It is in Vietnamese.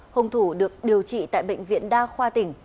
hùng thủ được điều trị tại bệnh viện đa khoa tỉnh